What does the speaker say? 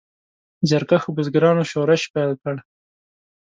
زیارکښو بزګرانو شورش پیل کړ.